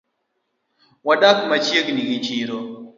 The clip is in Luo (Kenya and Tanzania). Wadak machiegni gi chiro